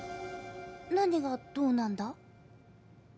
何がどうなんだ？